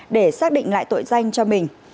để xác định lại tội danh cho mình